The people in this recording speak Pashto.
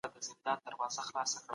غم مه کوئ الله زموږ سره دی.